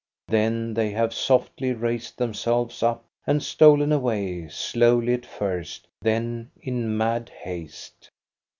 Then they have softly raised themselves up and stolen away, slowly at first, then in mad haste.